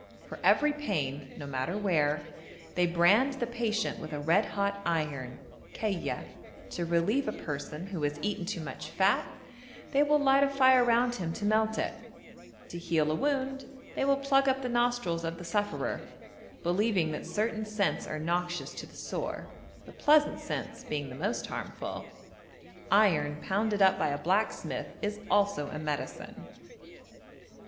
For every pain, no matter where, they brand the patient with a red hot iron (kayya); to relieve a person who has eaten too much fat, they will light a fire round him to melt it; to heal a wound they will plug up the nostrils of the sufferer, believing that certain scents are noxious to the sore; the pleasant scents being the most harmful. Iron pounded up by a blacksmith is also a medicine.